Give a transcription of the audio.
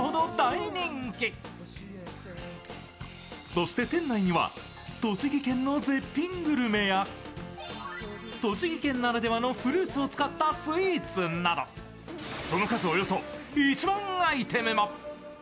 そして店内には栃木県の絶品グルメや栃木県ならではのフルーツを使ったスイーツなど、その数、およそ１万アイテムも。